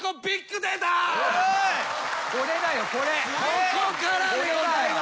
ここからでございます。